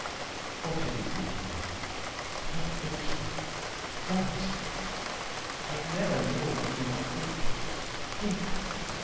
What are you thinking of? What thinking? What? I never know what you are thinking. Think."